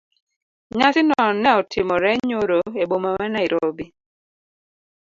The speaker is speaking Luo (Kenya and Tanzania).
Nyasi no ne otimore nyoro e boma ma Nairobi.